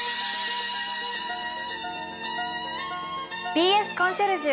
「ＢＳコンシェルジュ」。